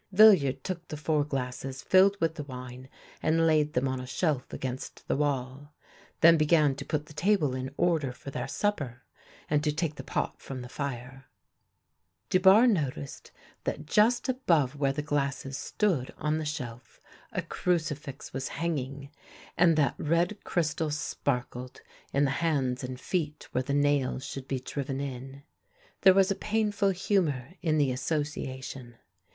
Villiard took the four glasses filled with the wine and laid them on a shelf against the wall, then began to put the table in order for their supper, and to take the pot from the fire. Dubarre noticed that just above where the glasses stood on the shelf a crucifix was hanging, and that red crystal sparkled in the hands and feet where the nails should be driven in. There was a painful humour in the association.